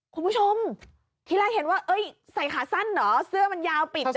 คุณผู้ชมที่แรกเห็นว่าเอ้ยใส่ขาสั้นเหรอเสื้อมันยาวปิด